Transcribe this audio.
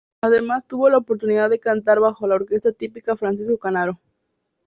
Además tuvo la oportunidad de cantar bajo la Orquesta Típica Francisco Canaro.